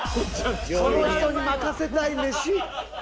この人に任せたいメシ。